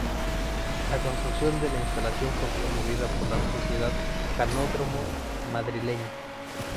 La construcción de la instalación fue promovida por la Sociedad Canódromo Madrileño.